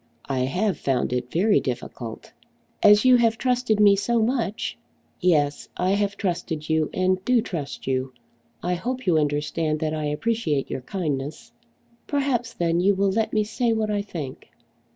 "I have found it very difficult!" "As you have trusted me so much " "Yes; I have trusted you, and do trust you. I hope you understand that I appreciate your kindness." "Perhaps then you will let me say what I think."